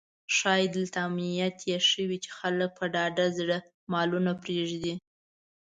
ښایي دلته امنیت یې ښه وي چې خلک په ډاډه زړه مالونه پرېږدي.